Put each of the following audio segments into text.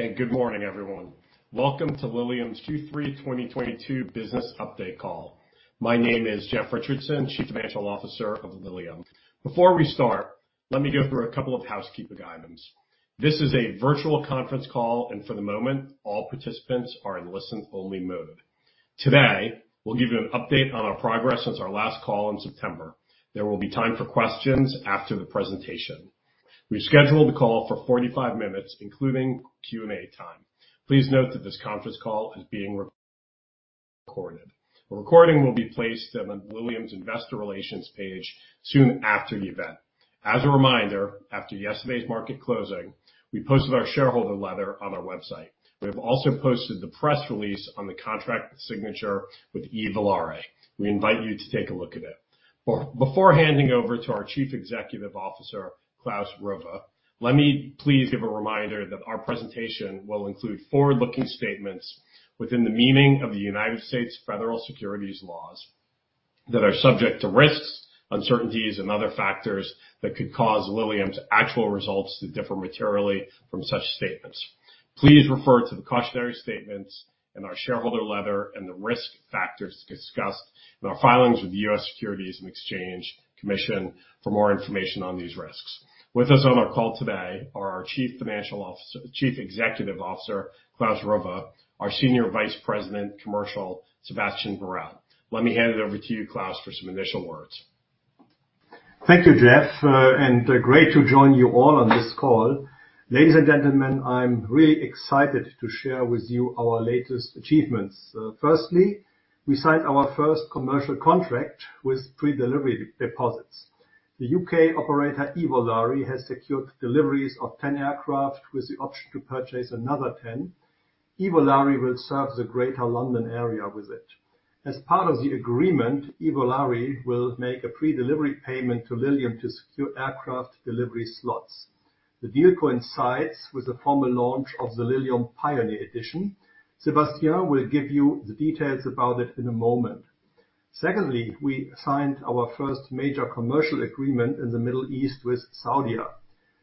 Good morning, everyone. Welcome to Lilium's Q3 2022 business update call. My name is Geoffrey Richardson, Chief Financial Officer of Lilium. Before we start, let me go through a couple of housekeeping items. This is a virtual conference call, and for the moment, all participants are in listen-only mode. Today, we'll give you an update on our progress since our last call in September. There will be time for questions after the presentation. We've scheduled the call for 45 minutes, including Q&A time. Please note that this conference call is being recorded. The recording will be placed on Lilium's Investor Relations page soon after the event. As a reminder, after yesterday's market closing, we posted our shareholder letter on our website. We have also posted the press release on the contract signature with eVolare. We invite you to take a look at it. Before handing over to our Chief Executive Officer, Klaus Roewe, let me please give a reminder that our presentation will include forward-looking statements within the meaning of the United States federal securities laws that are subject to risks, uncertainties and other factors that could cause Lilium's actual results to differ materially from such statements. Please refer to the cautionary statements in our shareholder letter and the risk factors discussed in our filings with the US Securities and Exchange Commission for more information on these risks. With us on our call today are our Chief Executive Officer, Klaus Roewe, our Senior Vice President, Commercial, Sébastien Borel. Let me hand it over to you, Klaus, for some initial words. Thank you, Geoff and great to join you all on this call. Ladies and gentlemen, I'm really excited to share with you our latest achievements. Firstly, we signed our first commercial contract with pre-delivery deposits. The U.K. operator, eVolare, has secured deliveries of 10 aircraft with the option to purchase another 10. eVolare will serve the Greater London area with it. As part of the agreement, eVolare will make a pre-delivery payment to Lilium to secure aircraft delivery slots. The deal coincides with the formal launch of the Lilium Pioneer Edition. Sébastien will give you the details about it in a moment. Secondly, we signed our first major commercial agreement in the Middle East with Saudia.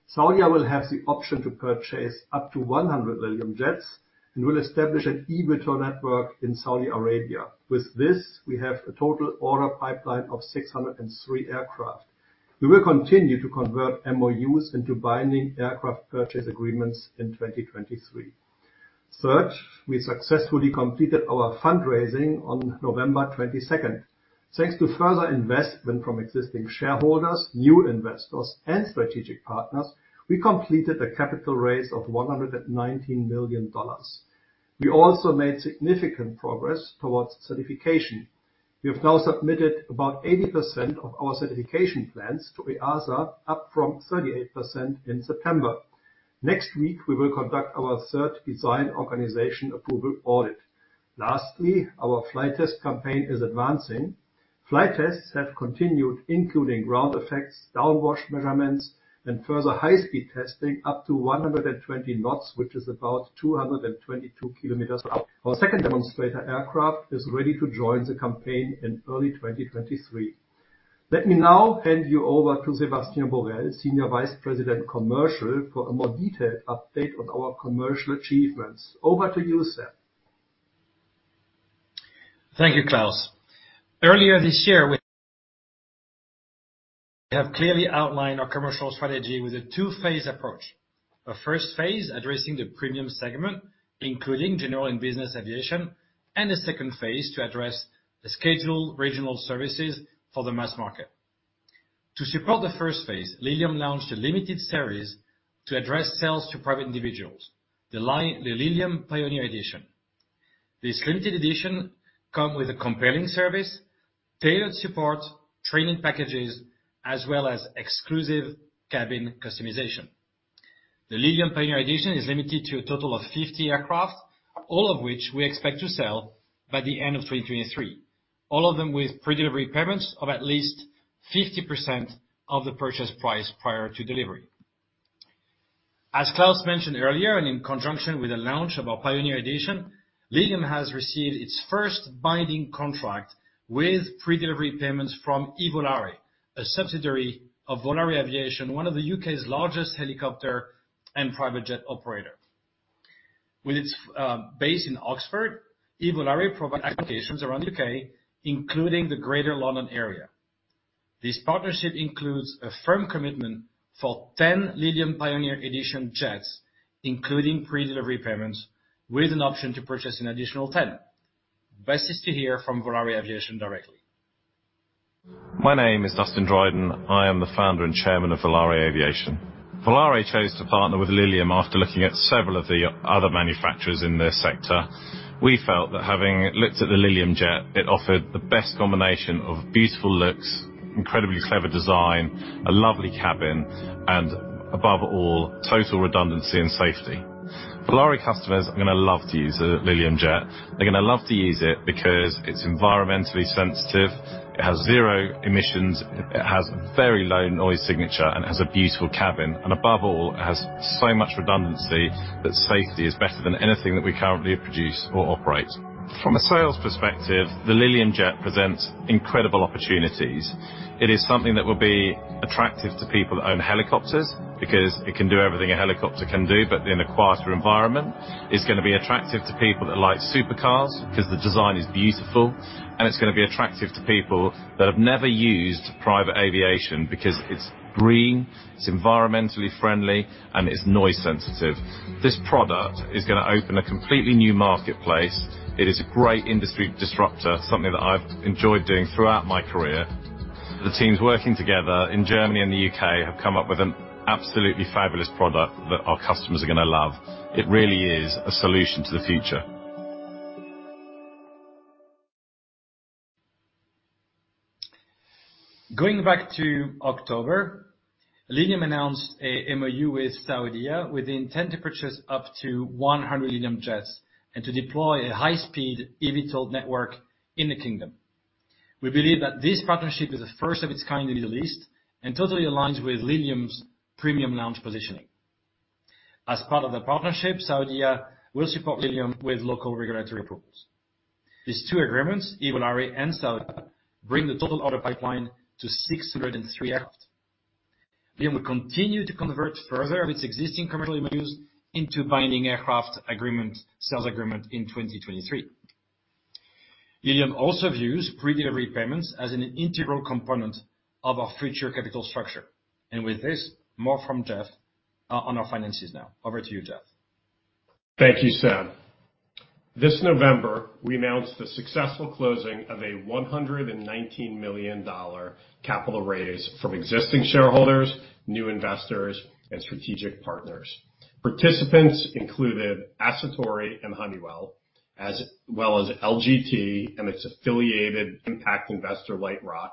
Saudia will have the option to purchase up to 100 Lilium Jets and will establish an eVTOL network in Saudi Arabia. With this, we have a total order pipeline of 603 aircraft. We will continue to convert MOUs into binding aircraft purchase agreements in 2023. Third, we successfully completed our fundraising on November 22nd. Thanks to further investment from existing shareholders, new investors and strategic partners, we completed a capital raise of $119 million. We also made significant progress towards certification. We have now submitted about 80% of our certification plans to EASA, up from 38% in September. Next week, we will conduct our third Design Organization Approval audit. Lastly, our flight test campaign is advancing. Flight tests have continued, including ground effects, downwash measurements, and further high-speed testing up to 120 knots, which is about 222 km per hour. Our second demonstrator aircraft is ready to join the campaign in early 2023. Let me now hand you over to Sébastien Borel, Senior Vice President, Commercial, for a more detailed update on our commercial achievements. Over to you, Séb. Thank you, Klaus. Earlier this year, we have clearly outlined our commercial strategy with a two-phase approach. A first phase addressing the premium segment, including general and business aviation, and a second phase to address the scheduled regional services for the mass market. To support the first phase, Lilium launched a limited series to address sales to private individuals, the Lilium Pioneer Edition. This limited edition come with a compelling service, tailored support, training packages, as well as exclusive cabin customization. The Lilium Pioneer Edition is limited to a total of 50 aircraft, all of which we expect to sell by the end of 2023, all of them with pre-delivery payments of at least 50% of the purchase price prior to delivery. As Klaus mentioned earlier, in conjunction with the launch of our Pioneer Edition, Lilium has received its first binding contract with pre-delivery payments from eVolare, a subsidiary of Volare Aviation, one of the U.K.'s largest helicopter and private jet operator. With its base in Oxford, eVolare provide applications around the U.K., including the Greater London area. This partnership includes a firm commitment for 10 Lilium Pioneer Edition Jets, including pre-delivery payments, with an option to purchase an additional 10. Best is to hear from Volare Aviation directly. My name is Dustin Dryden. I am the founder and chairman of Volare Aviation. Volare chose to partner with Lilium after looking at several of the other manufacturers in this sector. We felt that having looked at the Lilium Jet, it offered the best combination of beautiful looks, incredibly clever design, a lovely cabin, and above all, total redundancy and safety. Volare customers are gonna love to use the Lilium Jet. They're gonna love to use it because it's environmentally sensitive, it has zero emissions, it has very low noise signature and has a beautiful cabin, and above all, it has so much redundancy that safety is better than anything that we currently produce or operate. From a sales perspective, the Lilium Jet presents incredible opportunities. It is something that will be attractive to people that own helicopters, because it can do everything a helicopter can do, but in a quieter environment. It's gonna be attractive to people that like supercars, 'cause the design is beautiful, and it's gonna be attractive to people that have never used private aviation because it's green, it's environmentally friendly, and it's noise sensitive. This product is gonna open a completely new marketplace. It is a great industry disruptor, something that I've enjoyed doing throughout my career. The teams working together in Germany and the UK have come up with an absolutely fabulous product that our customers are gonna love. It really is a solution to the future. Going back to October, Lilium announced a MOU with Saudia with intent to purchase up to 100 Lilium Jets and to deploy a high-speed eVTOL network in the kingdom. We believe that this partnership is the first of its kind in the Middle East and totally aligns with Lilium's premium lounge positioning. As part of the partnership, Saudia will support Lilium with local regulatory approvals. These two agreements, Volaris and Saudia, bring the total order pipeline to 603 aircraft. Lilium will continue to convert further of its existing commercial MOUs into binding aircraft agreement, sales agreement in 2023. Lilium also views pre-delivery payments as an integral component of our future capital structure. With this, more from Geoff on our finances now. Over to you, Geoff. Thank you, Séb. This November, we announced the successful closing of a $119 million capital raise from existing shareholders, new investors and strategic partners. Participants included Aciturri and Honeywell, as well as LGT and its affiliated impact investor, Lightrock,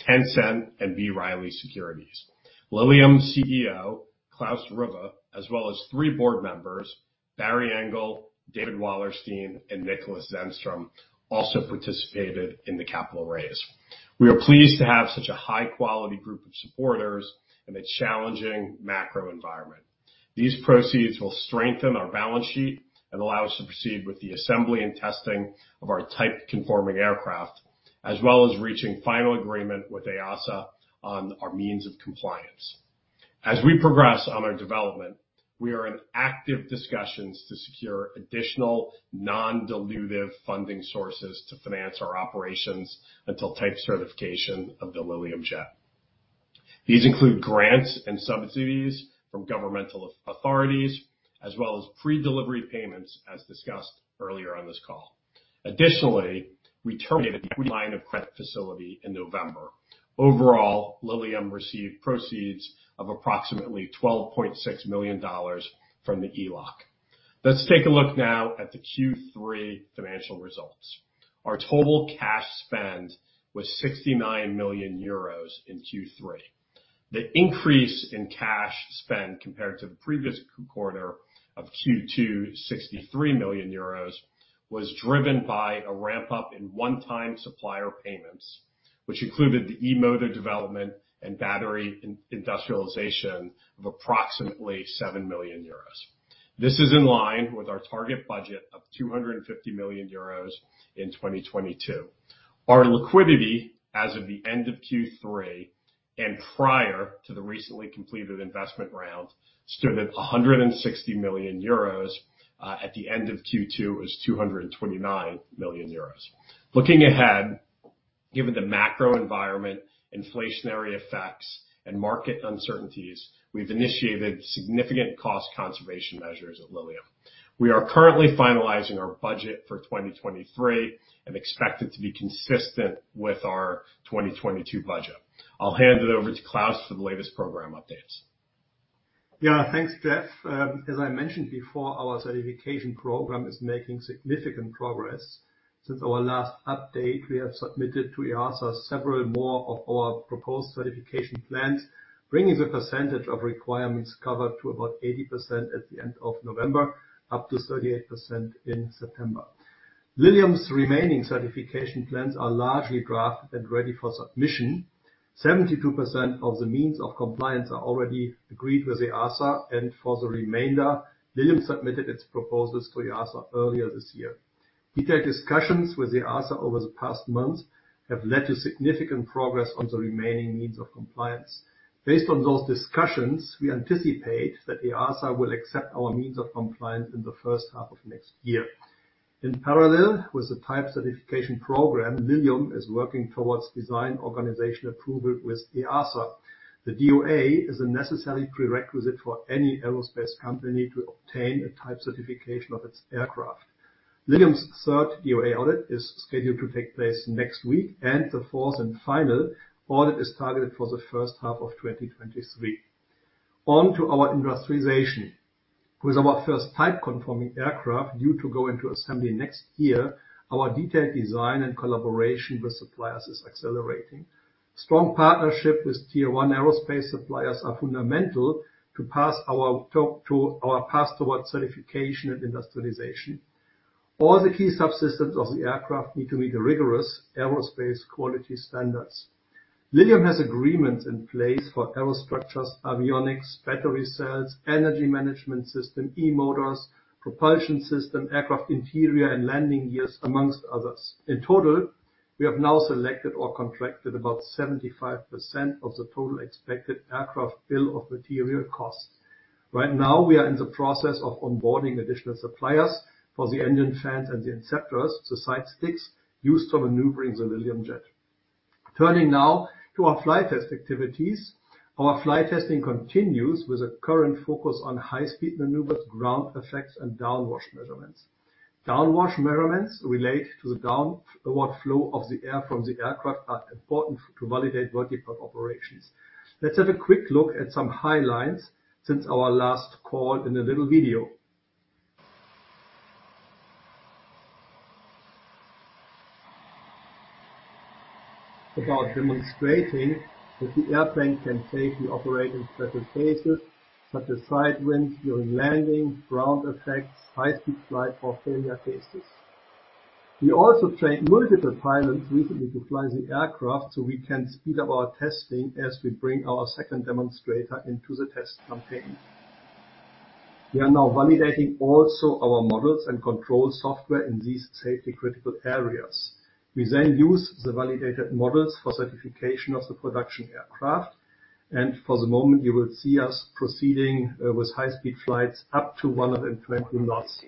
Tencent, and B. Riley Securities. Lilium CEO, Klaus Roewe, as well as three board members, Barry Engle, David Wallerstein, and Niklas Zennström, also participated in the capital raise. We are pleased to have such a high quality group of supporters in a challenging macro environment. These proceeds will strengthen our balance sheet and allow us to proceed with the assembly and testing of our type-conforming aircraft, as well as reaching final agreement with EASA on our Means of Compliance. As we progress on our development, we are in active discussions to secure additional non-dilutive funding sources to finance our operations until type certification of the Lilium Jet. These include grants and subsidies from governmental authorities, as well as pre-delivery payments, as discussed earlier on this call. Additionally, we terminated the credit line of credit facility in November. Overall, Lilium received proceeds of approximately $12.6 million from the ELOC. Let's take a look now at the Q3 financial results. Our total cash spend was 69 million euros in Q3. The increase in cash spend compared to the previous quarter of Q2, 63 million euros, was driven by a ramp-up in one-time supplier payments, which included the e-motor development and battery in-industrialization of approximately 7 million euros. This is in line with our target budget of 250 million euros in 2022. Our liquidity as of the end of Q3 and prior to the recently completed investment round, stood at 160 million euros. At the end of Q2, it was 229 million euros. Looking ahead, given the macro environment, inflationary effects and market uncertainties, we've initiated significant cost conservation measures at Lilium. We are currently finalizing our budget for 2023 and expect it to be consistent with our 2022 budget. I'll hand it over to Klaus for the latest program updates. Yeah. Thanks, Geoff. As I mentioned before, our certification program is making significant progress. Since our last update, we have submitted to EASA several more of our proposed certification plans, bringing the percentage of requirements covered to about 80% at the end of November, up to 38% in September. Lilium's remaining certification plans are largely drafted and ready for submission. 72% of the Means of Compliance are already agreed with EASA, and for the remainder, Lilium submitted its proposals to EASA earlier this year. Detailed discussions with EASA over the past month have led to significant progress on the remaining Means of Compliance. Based on those discussions, we anticipate that EASA will accept our Means of Compliance in the H1 of next year. In parallel with the type certification program, Lilium is working towards Design Organisation Approval with EASA. The DOA is a necessary prerequisite for any aerospace company to obtain a type certification of its aircraft. Lilium's third DOA audit is scheduled to take place next week, and the fourth and final audit is targeted for the H1 of 2023. On to our industrialization. With our first type-conforming aircraft due to go into assembly next year, our detailed design and collaboration with suppliers is accelerating. Strong partnership with tier one aerospace suppliers are fundamental to our path towards certification and industrialization. All the key subsystems of the aircraft need to meet the rigorous aerospace quality standards. Lilium has agreements in place for aerostructures, avionics, battery cells, energy management system, e-motors, propulsion system, aircraft interior, and landing gears, amongst others. In total, we have now selected or contracted about 75% of the total expected aircraft bill of material costs. Right now, we are in the process of onboarding additional suppliers for the engine fans and the inceptors, the side sticks used for maneuvering the Lilium Jet. Turning now to our flight test activities. Our flight testing continues with a current focus on high-speed maneuvers, ground effect, and downwash measurements. Downwash measurements relate to the downward flow of the air from the aircraft are important to validate vertical operations. Let's have a quick look at some highlights since our last call in a little video. About demonstrating that the airplane can safely operate in certain phases, such as side wind during landing, ground effect, high-speed flight or failure phases. We also trained multiple pilots recently to fly the aircraft, so we can speed up our testing as we bring our second demonstrator into the test campaign. We are now validating also our models and control software in these safety critical areas. We then use the validated models for certification of the production aircraft. For the moment, you will see us proceeding with high-speed flights up to 120 knots.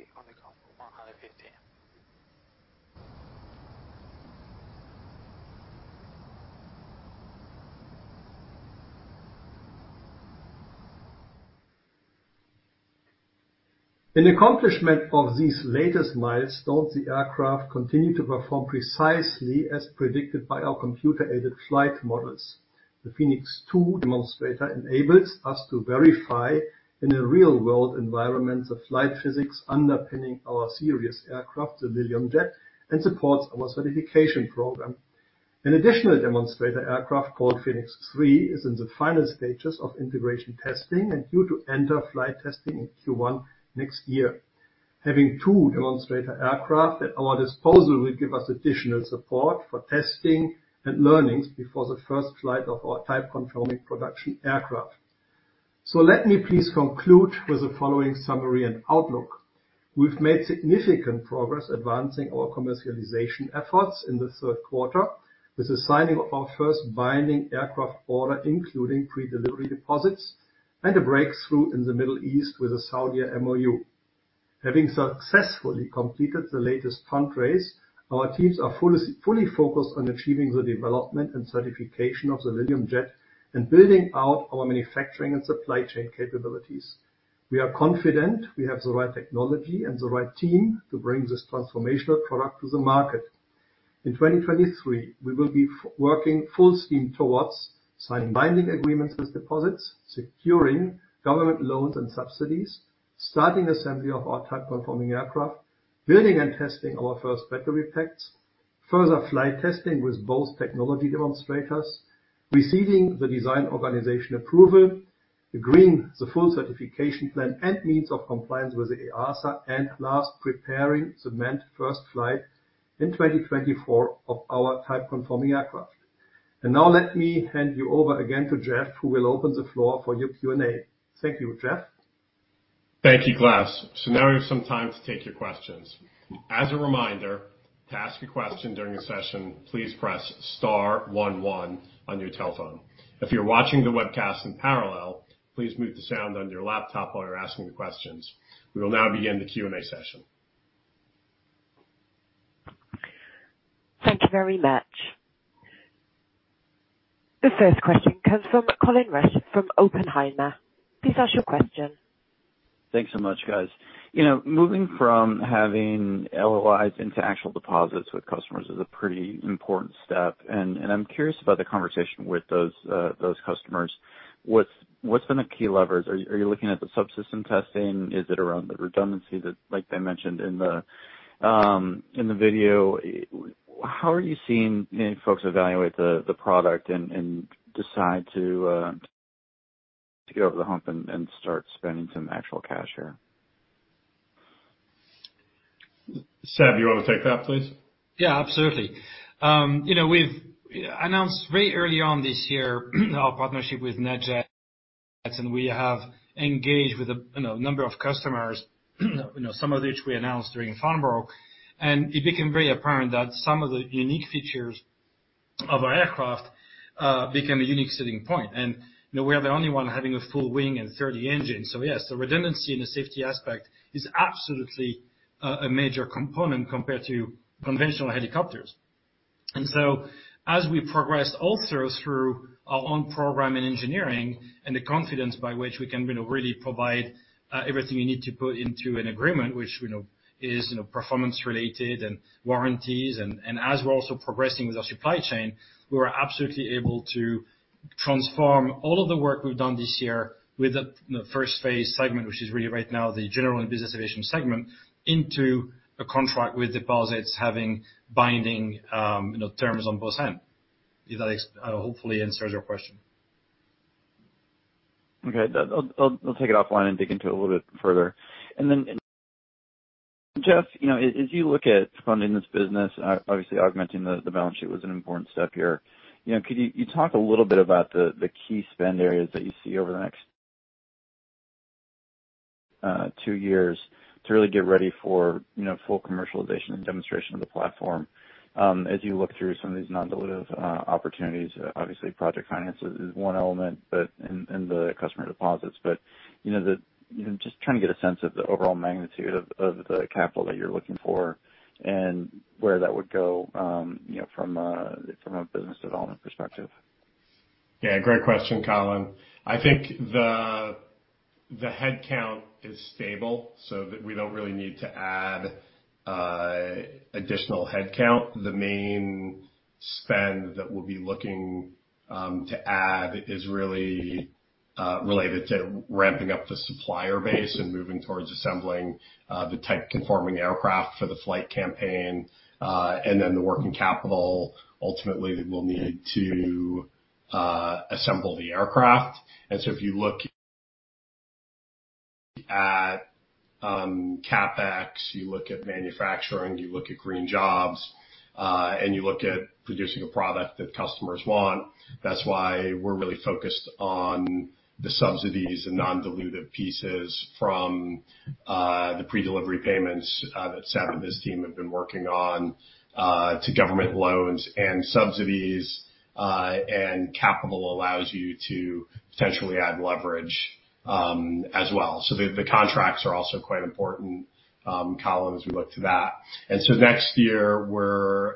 In accomplishment of these latest milestones, the aircraft continue to perform precisely as predicted by our computer-aided flight models. The Phoenix 2 demonstrator enables us to verify in a real-world environment the flight physics underpinning our serious aircraft, the Lilium Jet, and supports our certification program. An additional demonstrator aircraft called Phoenix 3 is in the final stages of integration testing and due to enter flight testing in Q1 next year. Having two demonstrator aircraft at our disposal will give us additional support for testing and learnings before the first flight of our type-conforming production aircraft. Let me please conclude with the following summary and outlook. We've made significant progress advancing our commercialization efforts in the Q3 with the signing of our first binding aircraft order, including pre-delivery deposits and a breakthrough in the Middle East with the Saudia MOU. Having successfully completed the latest fundraise, our teams are fully focused on achieving the development and certification of the Lilium Jet and building out our manufacturing and supply chain capabilities. We are confident we have the right technology and the right team to bring this transformational product to the market. In 2023, we will be working full steam towards signing binding agreements with deposits, securing government loans and subsidies, starting assembly of our type-conforming aircraft, building and testing our first battery packs, further flight testing with both technology demonstrators, receiving the Design Organisation Approval, agreeing the full certification plan and Means of Compliance with the EASA, and last, preparing to meet first flight in 2024 of our type-conforming aircraft. Now let me hand you over again to Geoff, who will open the floor for your Q&A. Thank you. Geoff? Thank you, Klaus. Now we have some time to take your questions. As a reminder to ask a question during the session, please press star 11 on your telephone. If you're watching the webcast in parallel, please mute the sound on your laptop while you're asking the questions. We will now begin the Q&A session. Thank you very much. The first question comes from Colin Rusch from Oppenheimer. Please ask your question. Thanks so much, guys. You know, moving from having LOIs into actual deposits with customers is a pretty important step, and I'm curious about the conversation with those customers. What's been the key levers? Are you looking at the subsystem testing? Is it around the redundancy that, like they mentioned in the video? How are you seeing folks evaluate the product and decide to get over the hump and start spending some actual cash here? Séb, do you wanna take that, please? Yeah, absolutely. You know, we've announced very early on this year our partnership with NetJets, we have engaged with a number of customers, you know, some of which we announced during Farnborough. It became very apparent that some of the unique features of our aircraft became a unique selling point. You know, we are the only one having a full wing and 30 engines. Yes, the redundancy and the safety aspect is absolutely a major component compared to conventional helicopters. As we progressed also through our own program in engineering and the confidence by which we can, you know, really provide everything you need to put into an agreement, which we know is, you know, performance related and warranties. As we're also progressing with our supply chain, we are absolutely able to transform all of the work we've done this year with the first phase segment, which is really right now the general and business division segment, into a contract with deposits having binding, you know, terms on both ends. If that hopefully answers your question? Okay. I'll take it offline and dig into it a little bit further. Geoff, you know, as you look at funding this business, obviously augmenting the balance sheet was an important step here. You know, could you talk a little bit about the key spend areas that you see over the next two years to really get ready for, you know, full commercialization and demonstration of the platform. As you look through some of these non-dilutive opportunities, obviously project finance is one element, and the customer deposits. You know, just trying to get a sense of the overall magnitude of the capital that you're looking for and where that would go, you know, from a business development perspective. Yeah, great question, Colin. I think the headcount is stable so that we don't really need to add additional headcount. The main spend that we'll be looking to add is really related to ramping up the supplier base and moving towards assembling the type-conforming aircraft for the flight campaign, and then the working capital ultimately that we'll need to assemble the aircraft. So if you look at CapEx, you look at manufacturing, you look at green jobs, and you look at producing a product that customers want, that's why we're really focused on the subsidies and non-dilutive pieces from the pre-delivery payments that Sam and his team have been working on, to government loans and subsidies, and capital allows you to potentially add leverage as well. The contracts are also quite important, Colin, as we look to that. Next year we're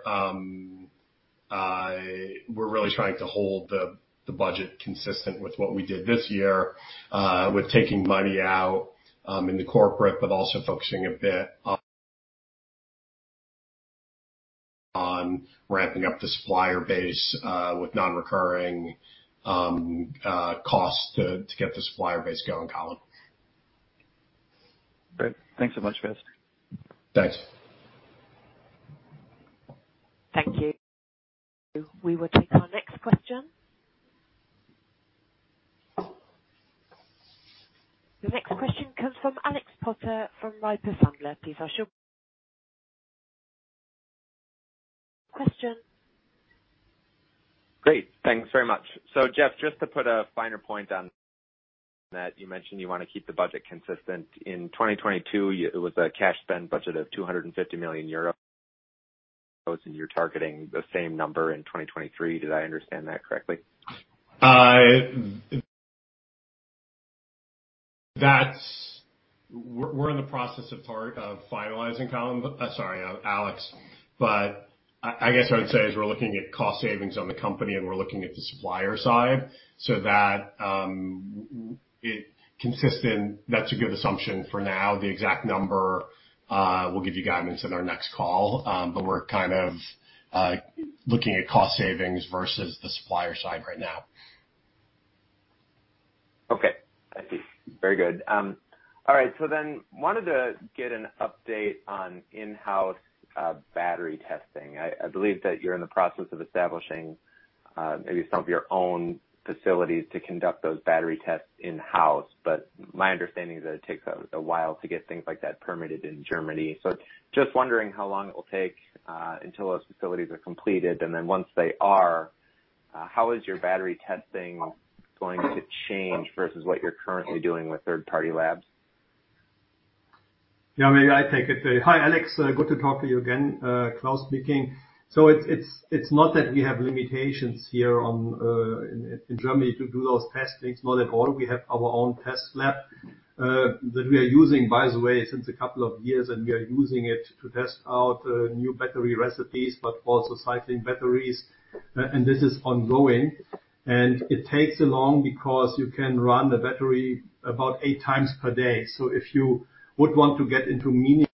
really trying to hold the budget consistent with what we did this year, with taking money out in the corporate, but also focusing a bit on ramping up the supplier base with non-recurring costs to get the supplier base going, Colin. Great. Thanks so much, guys. Thanks. Thank you. We will take our next question. The next question comes from Alexander Potter from Piper Sandler. Please ask your question. Great, thanks very much. Geoff, just to put a finer point on that, you mentioned you wanna keep the budget consistent. In 2022 it was a cash spend budget of 250 million euros, and you're targeting the same number in 2023. Did I understand that correctly? We're in the process of finalizing, Colin. Sorry, Alex, I guess I would say is we're looking at cost savings on the company, and we're looking at the supplier side so that that's a good assumption for now. The exact number, we'll give you guidance in our next call. We're kind of looking at cost savings versus the supplier side right now. Okay. I see. Very good. All right, wanted to get an update on in-house battery testing. I believe that you're in the process of establishing maybe some of your own facilities to conduct those battery tests in-house. My understanding is that it takes a while to get things like that permitted in Germany. Just wondering how long it will take until those facilities are completed. Once they are, how is your battery testing going to change versus what you're currently doing with third-party labs? Yeah, maybe I take it. Hi, Alex. Good to talk to you again. Klaus speaking. It's not that we have limitations here on in Germany to do those testings, not at all. We have our own test lab that we are using, by the way, since a couple of years, and we are using it to test out new battery recipes, but also cycling batteries. This is ongoing, and it takes long because you can run the battery about 8 times per day. If you would want to get into meaningful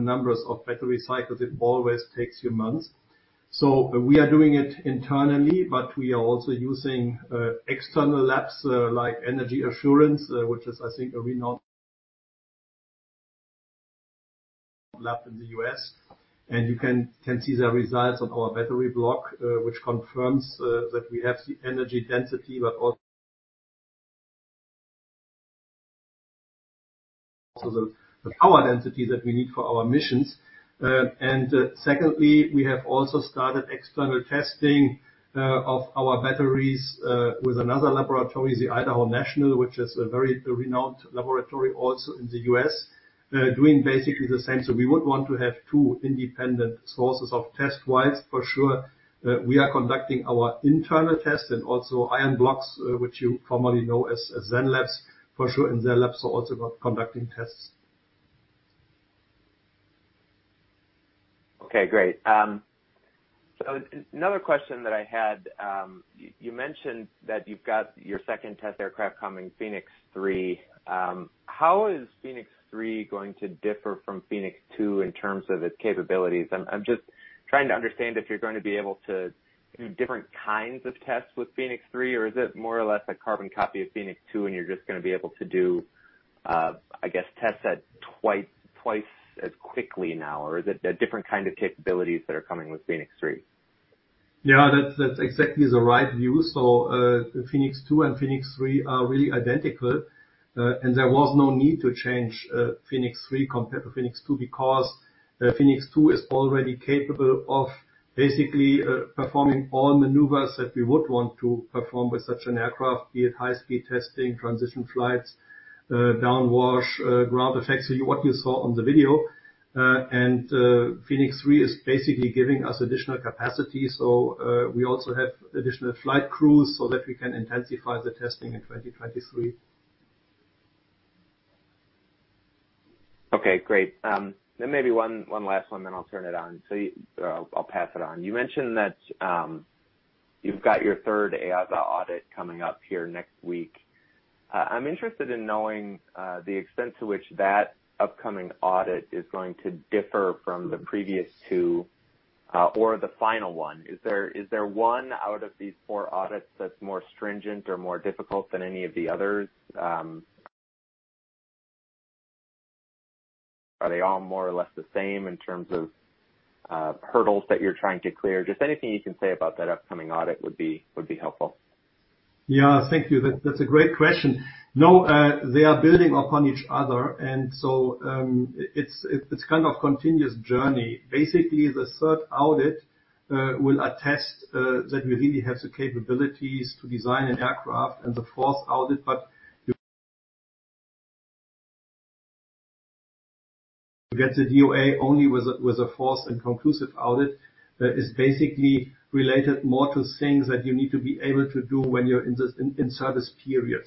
numbers of battery cycles, it always takes you months. We are doing it internally, but we are also using external labs like Energy Assurance, which is I think a renowned lab in the U.S. You can see the results on our battery block, which confirms that we have the energy density but also the power density that we need for our missions. Secondly, we have also started external testing of our batteries with another laboratory, the Idaho National Laboratory, which is a very renowned laboratory also in the U.S., doing basically the same. We would want to have two independent sources of test-wise for sure. We are conducting our internal tests and also Ionblox, which you formerly know as Zenlabs for sure, and Zenlabs are also conducting tests. Okay, great. Another question that I had, you mentioned that you've got your second test aircraft coming, Phoenix 3. How is Phoenix 3 going to differ from Phoenix 2 in terms of its capabilities? I'm just trying to understand if you're going to be able to do different kinds of tests with Phoenix 3, or is it more or less a carbon copy of Phoenix 2 and you're just gonna be able to do, I guess tests at twice as quickly now? Is it a different kind of capabilities that are coming with Phoenix 3? Yeah, that's exactly the right view. Phoenix 2 and Phoenix 3 are really identical, and there was no need to change Phoenix 3 compared to Phoenix 2, because Phoenix 2 is already capable of basically performing all maneuvers that we would want to perform with such an aircraft, be it high speed testing, transition flights, downwash, ground effect. What you saw on the video, and Phoenix 3 is basically giving us additional capacity. We also have additional flight crews so that we can intensify the testing in 2023. Okay, great. Maybe one last one, then I'll turn it on. I'll pass it on. You mentioned that you've got your third EASA audit coming up here next week. I'm interested in knowing the extent to which that upcoming audit is going to differ from the previous two, or the final one. Is there one out of these four audits that's more stringent or more difficult than any of the others? Are they all more or less the same in terms of hurdles that you're trying to clear? Just anything you can say about that upcoming audit would be, would be helpful. Yeah. Thank you. That's a great question. They are building upon each other, and so, it's kind of continuous journey. The third audit will attest that we really have the capabilities to design an aircraft and the fourth audit, but you get the DOA only with a fourth and conclusive audit, is basically related more to things that you need to be able to do when you're in the service period.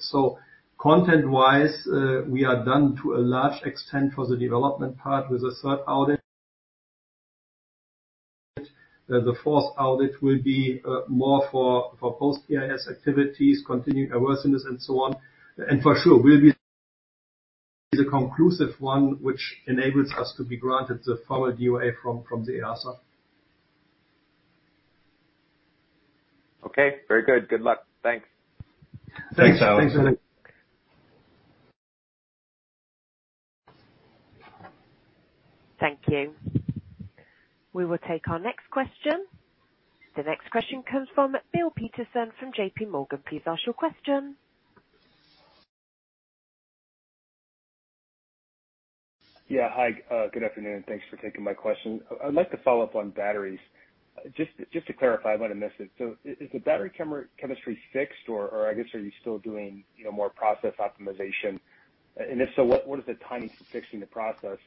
Content-wise, we are done to a large extent for the development part with the third audit. The fourth audit will be more for post-AIS activities, continuing airworthiness and so on. For sure, we'll be the conclusive one which enables us to be granted the final DOA from the EASA. Okay. Very good. Good luck. Thanks. Thanks. Thanks, Alex. Thank you. We will take our next question. The next question comes from Bill Peterson from J.P. Morgan. Please ask your question. Yeah. Hi. Good afternoon. Thanks for taking my question. I'd like to follow up on batteries. Just to clarify, I might have missed it. Is the battery chemistry fixed, or I guess, are you still doing, you know, more process optimization? If so, what is the timing for fixing the process?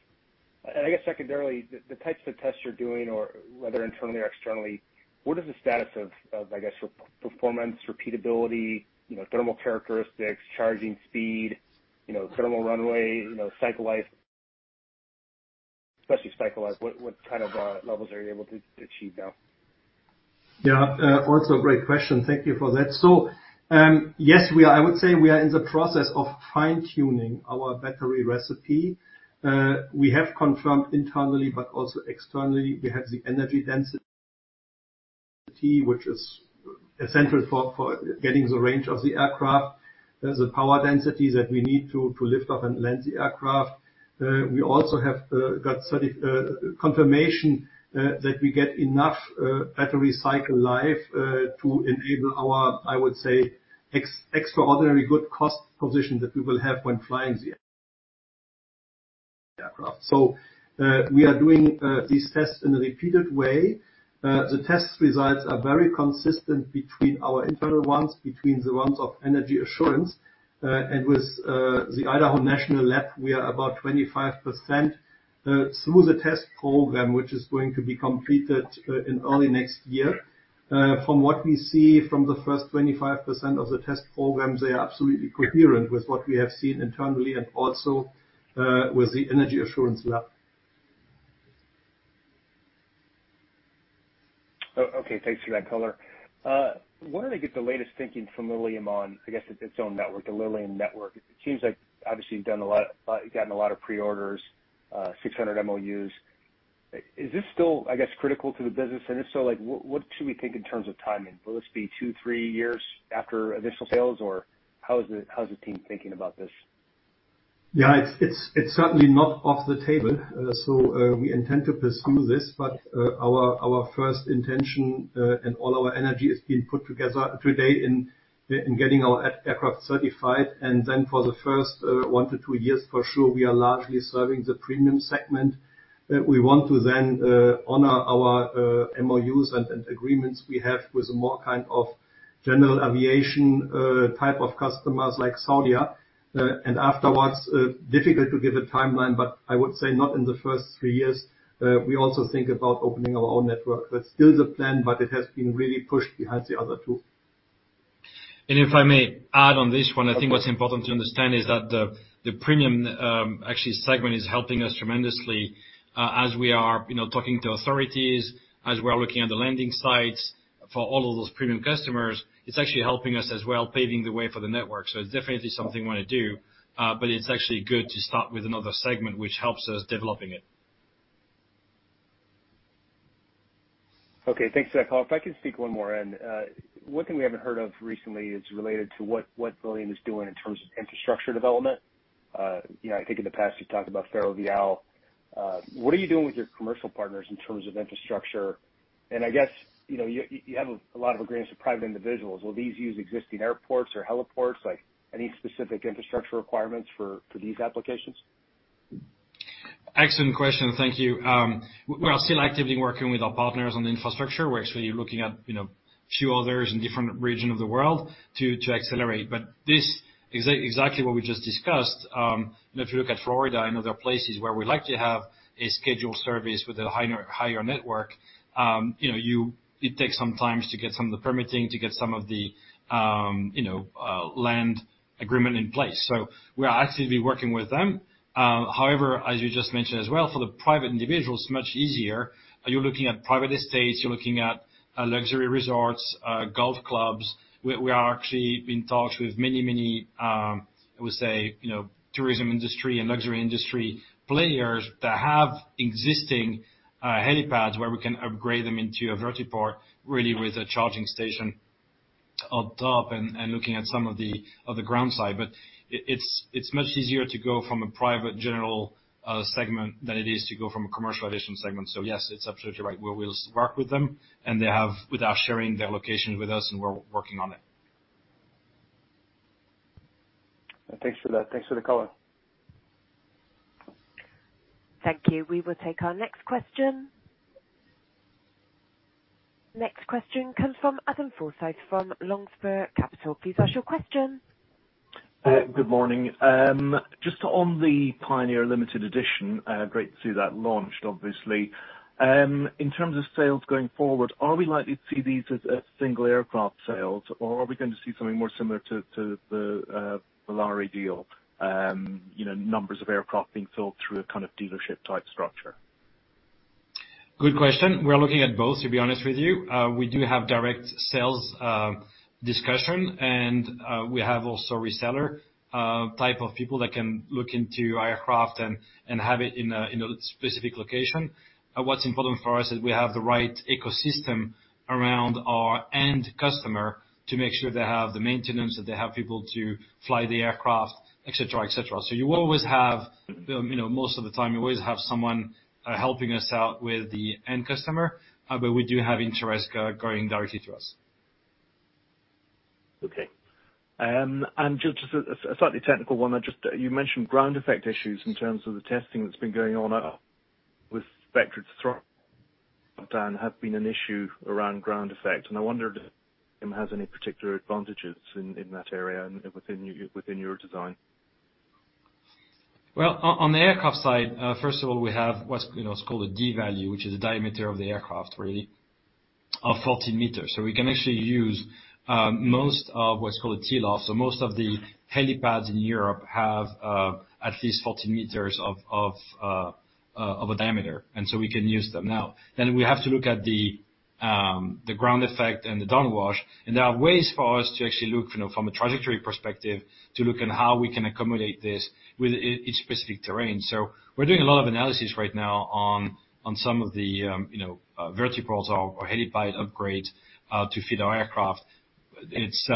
I guess secondarily, the types of tests you're doing or whether internally or externally, what is the status of, I guess, re-performance, repeatability, you know, thermal characteristics, charging speed, you know, thermal runway, you know, cycle life, especially cycle life, what kind of levels are you able to achieve now? Yeah. Also a great question. Thank you for that. Yes, I would say we are in the process of fine-tuning our battery recipe. We have confirmed internally but also externally, we have the energy density, which is essential for getting the range of the aircraft. There's a power density that we need to lift off and land the aircraft. We also have got confirmation that we get enough battery cycle life to enable our, I would say, extraordinary good cost position that we will have when flying the aircraft. We are doing these tests in a repeated way. The test results are very consistent between our internal ones, between the ones of Energy Assurance, and with the Idaho National Lab, we are about 25% through the test program, which is going to be completed in early next year. From what we see from the first 25% of the test programs, they are absolutely coherent with what we have seen internally and also with the Energy Assurance lab. Okay. Thanks for that color. Where did I get the latest thinking from Lilium on, I guess, its own network, the Lilium network? It seems like obviously you've done a lot, gotten a lot of pre-orders, 600 MOUs. Is this still, I guess, critical to the business? If so, like, what should we think in terms of timing? Will this be 2, 3 years after initial sales? Or how is the team thinking about this? Yeah. It's certainly not off the table. We intend to pursue this, but our first intention, and all our energy is being put together today in getting our aircraft certified. For the first one to two years, for sure, we are largely serving the premium segment. We want to then honor our MOUs and agreements we have with more kind of general aviation type of customers like Saudia. Afterwards, difficult to give a timeline, but I would say not in the first three years. We also think about opening our own network. That's still the plan, but it has been really pushed behind the other two. If I may add on this one, I think what's important to understand is that the premium, actually segment is helping us tremendously, as we are, you know, talking to authorities, as we are looking at the landing sites for all of those premium customers. It's actually helping us as well, paving the way for the network. It's definitely something we wanna do, but it's actually good to start with another segment which helps us developing it. Okay. Thanks for that call. If I can speak one more in. One thing we haven't heard of recently is related to what Lilium is doing in terms of infrastructure development. You know, I think in the past, you've talked about Ferrovial. What are you doing with your commercial partners in terms of infrastructure? I guess, you know, you have a lot of agreements with private individuals. Will these use existing airports or heliports? Like, any specific infrastructure requirements for these applications? Excellent question. Thank you. We are still actively working with our partners on the infrastructure. We're actually looking at, you know, a few others in different region of the world to accelerate. This exactly what we just discussed. If you look at Florida, I know there are places where we like to have a scheduled service with a higher network. You know, it takes some time to get some of the permitting, to get some of the, you know, land. Agreement in place. We are actually working with them. However, as you just mentioned as well, for the private individuals, much easier. You're looking at private estates, you're looking at luxury resorts, golf clubs. We are actually in talks with many, many, I would say, you know, tourism industry and luxury industry players that have existing helipads where we can upgrade them into a vertiport, really with a charging station on top and looking at some of the ground side. It's much easier to go from a private general segment than it is to go from a commercial aviation segment. Yes, it's absolutely right. We'll work with them, without sharing their location with us, and we're working on it. Thanks for that. Thanks for the color. Thank you. We will take our next question. Next question comes from Adam Forsyth from Longspur Capital. Please ask your question. Good morning. Just on the Pioneer Limited Edition, great to see that launched, obviously. In terms of sales going forward, are we likely to see these as single aircraft sales, or are we going to see something more similar to the Volare deal? You know, numbers of aircraft being filled through a kind of dealership type structure. Good question. We're looking at both, to be honest with you. We do have direct sales discussion, and we have also reseller type of people that can look into aircraft and have it in a specific location. What's important for us is we have the right ecosystem around our end customer to make sure they have the maintenance, that they have people to fly the aircraft, et cetera, et cetera. You always have, you know, most of the time you always have someone helping us out with the end customer. We do have interest going directly to us. Okay. Just as a slightly technical one. I just, you mentioned ground effect issues in terms of the testing that's been going on with Vectored Thrust, have been an issue around ground effect, and I wondered if it has any particular advantages in that area and within your design? On the aircraft side, first of all, we have what's, you know, called a D-value, which is the diameter of the aircraft, really, of 14 meters. We can actually use most of what's called a TLOF. Most of the helipads in Europe have at least 14 meters of a diameter, we can use them now. We have to look at the ground effect and the downwash. There are ways for us to actually look, you know, from a trajectory perspective, to look at how we can accommodate this with each specific terrain. We're doing a lot of analysis right now on some of the, you know, vertiports or helipad upgrade to fit our aircraft. It's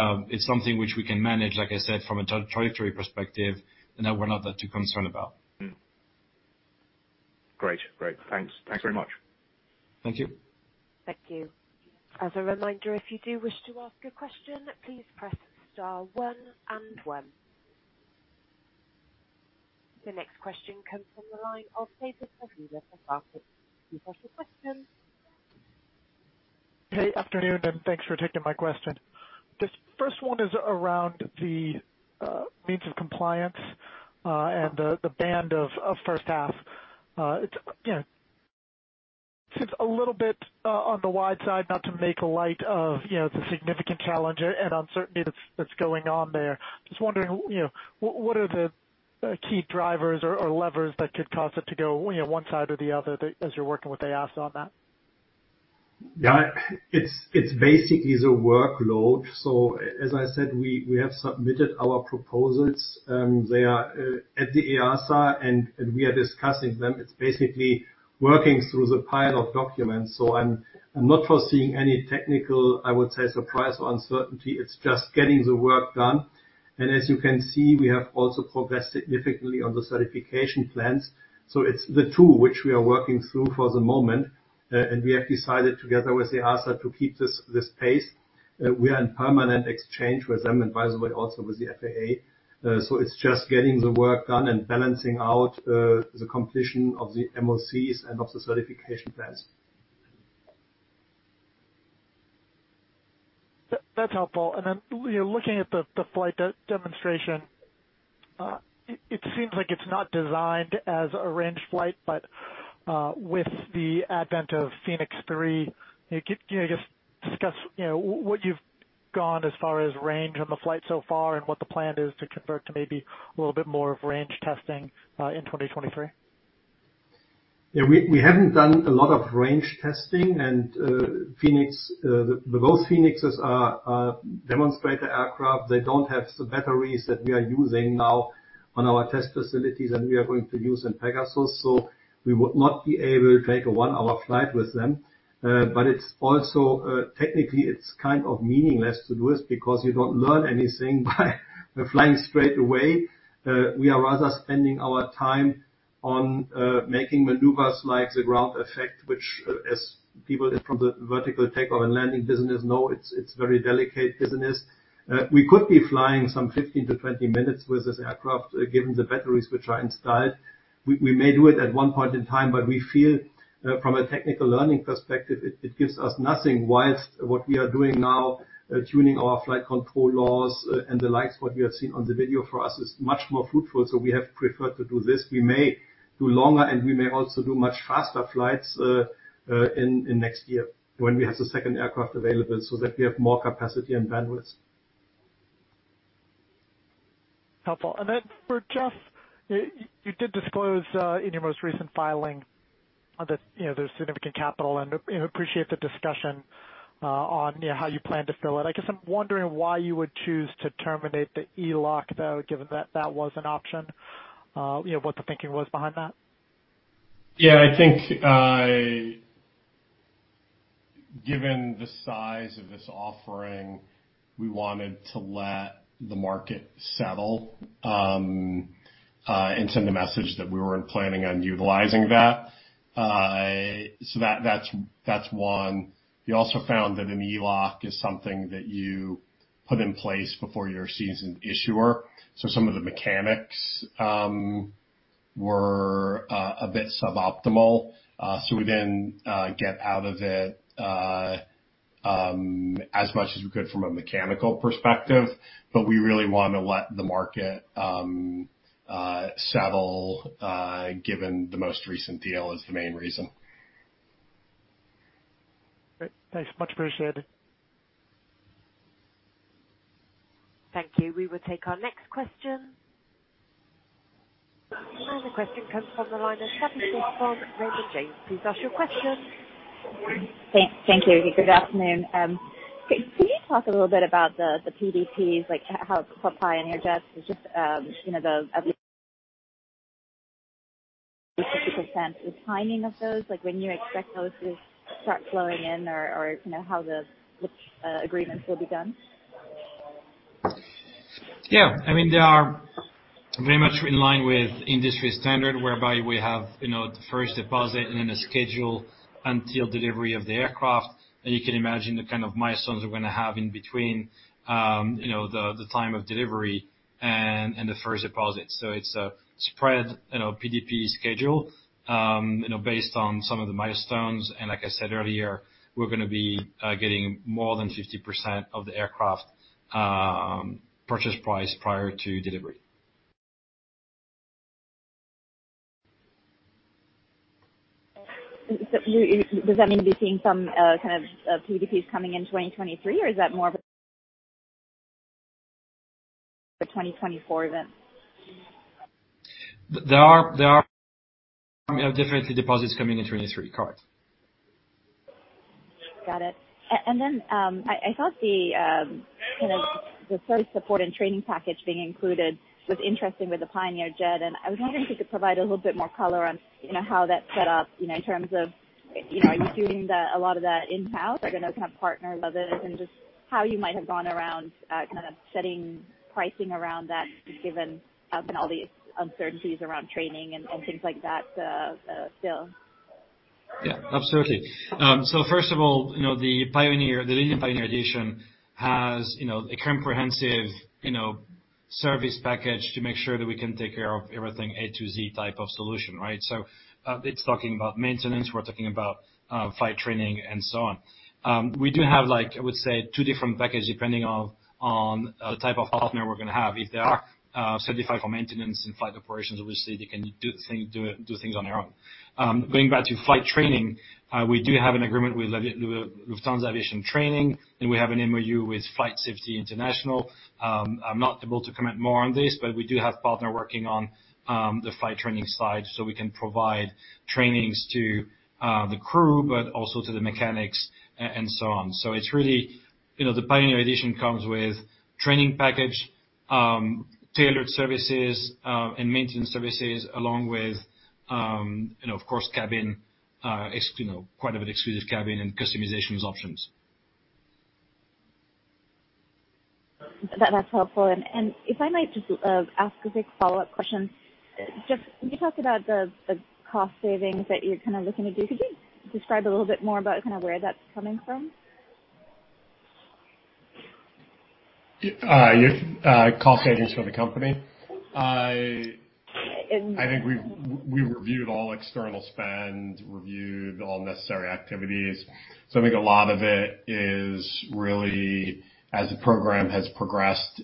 something which we can manage, like I said, from a trajectory perspective, and that we're not too concerned about. Great. Thanks very much. Thank you. Thank you. As a reminder, if you do wish to ask a question, please press star 1 and 1. The next question comes from the line of Cuesta Gavila from Barclays. Please ask your question. Hey, afternoon, and thanks for taking my question. This first one is around the Means of Compliance and the band of H1. It's, you know, seems a little bit on the wide side not to make light of, you know, the significant challenge and uncertainty that's going on there. Just wondering, you know, what are the key drivers or levers that could cause it to go, you know, one side or the other as you're working with EASA on that? It's basically the workload. As I said, we have submitted our proposals. They are at the EASA and we are discussing them. It's basically working through the pile of documents. I'm not foreseeing any technical, I would say, surprise or uncertainty. It's just getting the work done. As you can see, we have also progressed significantly on the certification plans. It's the two which we are working through for the moment. And we have decided together with the EASA to keep this pace. We are in permanent exchange with them and by the way, also with the FAA. It's just getting the work done and balancing out the completion of the MoCs and of the certification plans. That's helpful. You know, looking at the flight demonstration, it seems like it's not designed as a range flight, but with the advent of Phoenix 3, can you just discuss, you know, what you've gone as far as range on the flight so far and what the plan is to convert to maybe a little bit more of range testing in 2023? Yeah. We haven't done a lot of range testing and Phoenix, both Phoenixes are demonstrator aircraft. They don't have the batteries that we are using now on our test facilities, and we are going to use in Pegasus. We would not be able to take a one-hour flight with them. It's also technically it's kind of meaningless to do it because you don't learn anything by flying straight away. We are rather spending our time on making maneuvers like the ground effect, which as people from the vertical take-off and landing business know it's very delicate business. We could be flying some 15 to 20 minutes with this aircraft, given the batteries which are installed. We may do it at one point in time, but we feel from a technical learning perspective, it gives us nothing, whilst what we are doing now, tuning our flight control laws, and the likes, what we have seen on the video for us is much more fruitful, so we have preferred to do this. We may do longer, and we may also do much faster flights, in next year when we have the second aircraft available, so that we have more capacity and bandwidth. Helpful. For Geoff, you did disclose in your most recent filing that, you know, there's significant capital and, you know, appreciate the discussion on, you know, how you plan to fill it. I guess I'm wondering why you would choose to terminate the ELOC though, given that that was an option. You know, what the thinking was behind that? Yeah. I think Given the size of this offering, we wanted to let the market settle and send a message that we weren't planning on utilizing that. That's one. We also found that an ELOC is something that you put in place before you're a seasoned issuer. Some of the mechanics were a bit suboptimal. We didn't get out of it as much as we could from a mechanical perspective, but we really wanna let the market settle, given the most recent deal is the main reason. Great. Thanks much. Appreciate it. Thank you. We will take our next question. The question comes from the line of from Raymond James. Please ask your question. Thank you. Good afternoon. Can you talk a little bit about the PDPs, like how Pioneer Jets is just, you know, the at least 50%, the timing of those, like when you expect those to start flowing in or, how the agreements will be done? Yeah. I mean, they are very much in line with industry standard, whereby we have, you know, the first deposit and then a schedule until delivery of the aircraft. You can imagine the kind of milestones we're gonna have in between, you know, the time of delivery and the first deposit. It's a spread, you know, PDP schedule, you know, based on some of the milestones. Like I said earlier, we're gonna be getting more than 50% of the aircraft purchase price prior to delivery. Does that mean you're seeing some, kind of, PDPs coming in 2023, or is that more of a 2024? There are definitely deposits coming in 2023. Correct. Got it. I thought the kind of the first support and training package being included was interesting with the Pioneer Jet, and I was wondering if you could provide a little bit more color on, you know, how that's set up, you know, in terms of, you know, are you doing a lot of that in-house? Are gonna kind of partner with it, and just how you might have gone around kind of setting pricing around that given, I mean, all the uncertainties around training and things like that still? Yeah. Absolutely. First of all, you know, the Pioneer Edition has a comprehensive service package to make sure that we can take care of everything A to Z type of solution, right? It's talking about maintenance, we're talking about flight training and so on. We do have like, I would say two different packages depending on the type of partner we're going to have. If they are certified for maintenance and flight operations, obviously they can do things on their own. Going back to flight training, we do have an agreement with Lufthansa Aviation Training, and we have an MOU with FlightSafety International. I'm not able to comment more on this, but we do have partner working on the flight training side so we can provide trainings to the crew, but also to the mechanics and so on. It's really, you know, the Pioneer Edition comes with training package, tailored services, and maintenance services along with, you know, of course, cabin, you know, quite a bit exclusive cabin and customizations options. That's helpful. If I might just ask a quick follow-up question. Geoff, can you talk about the cost savings that you're kind of looking to do? Could you describe a little bit more about kind of where that's coming from? Yes. Cost savings for the company. In I think we reviewed all external spend, reviewed all necessary activities. I think a lot of it is really as the program has progressed,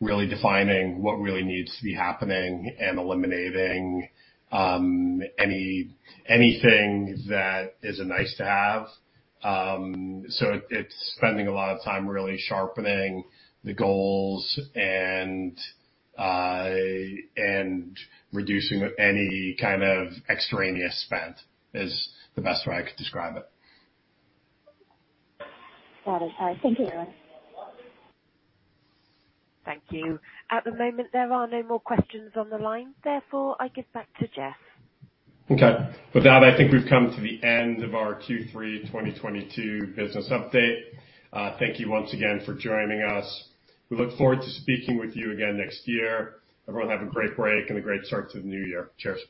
really defining what really needs to be happening and eliminating anything that isn't nice to have. It's spending a lot of time really sharpening the goals and reducing any kind of extraneous spend is the best way I could describe it. Got it. All right. Thank you. Thank you. At the moment, there are no more questions on the line. I give back to Geoff. Okay. With that, I think we've come to the end of our Q3 2022 business update. Thank you once again for joining us. We look forward to speaking with you again next year. Everyone have a great break and a great start to the new year. Cheers.